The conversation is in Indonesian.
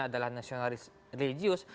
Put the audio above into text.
adalah nasionalis religius